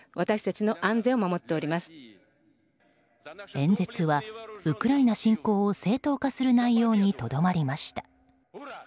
演説はウクライナ侵攻を正当化する内容にとどまりました。